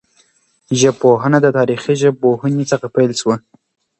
ژبپوهنه د تاریخي ژبپوهني څخه پیل سوه.